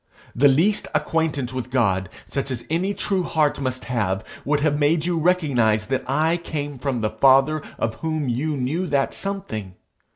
The least acquaintance with God, such as any true heart must have, would have made you recognize that I came from the God of whom you knew that something.